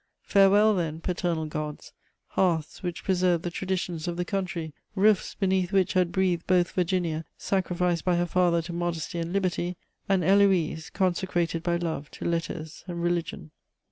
Farewell, then, paternal gods, hearths which preserved the traditions of the country, roofs beneath which had breathed both Virginia, sacrificed by her father to modesty and liberty, and Héloïse, consecrated by love to letters and religion.